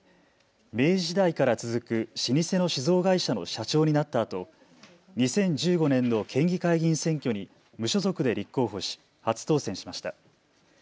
明治時代から続く老舗の酒造会社の社長になったあと、２０１５年の県議会議員選挙に無所属で立候補し初当選しました。